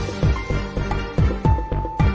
กินโทษส่องแล้วอย่างนี้ก็ได้